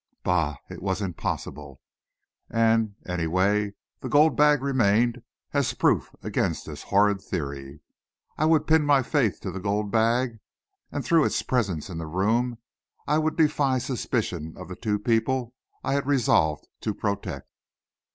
Bah! it was impossible. And, any way, the gold bag remained as proof against this horrid theory. I would pin my faith to the gold bag, and through its presence in the room, I would defy suspicions of the two people I had resolved to protect.